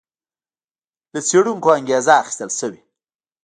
له څېړونکو انګېزه اخیستل شوې.